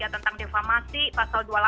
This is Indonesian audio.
tentang defamasi pasal dua puluh delapan